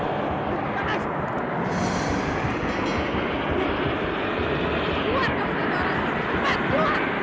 tidak gua bunuh